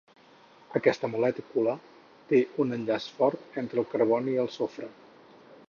Aquesta molècula té un enllaç fort entre el carboni i el sofre.